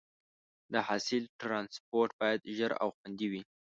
د حاصل ټرانسپورټ باید ژر او خوندي وي.